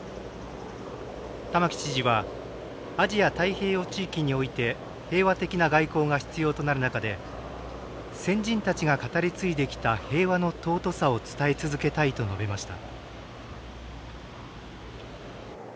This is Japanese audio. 玉城知事はアジア太平洋地域において平和的な外交が必要となる中で先人たちが語り継いできた平和の尊さを伝え続けたいと述べました。